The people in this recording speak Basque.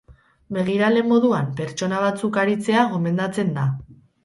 Begirale moduan pertsona batzuk aritzea gomendatzen da.